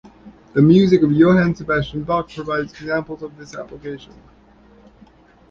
The music of Johann Sebastian Bach provides examples of this application.